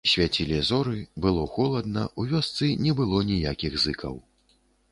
Свяцілі зоры, было холадна, у вёсцы не было ніякіх зыкаў.